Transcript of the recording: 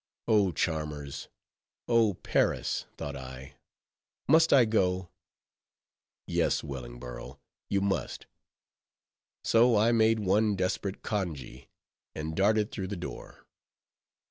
Oh, charmers! oh, Peris! thought I, must I go? Yes, Wellingborough, you must; so I made one desperate congee, and darted through the door.